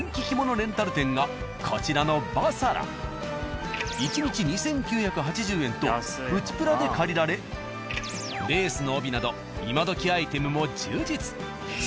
レンタル店がこちらの１日２，９８０円とプチプラで借りられレースの帯など今どきアイテムも充実。